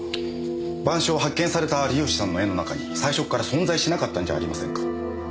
『晩鐘』は発見された有吉さんの絵の中に最初から存在しなかったんじゃありませんか？